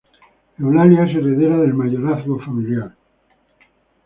Eulalia es heredera del mayorazgo familiar.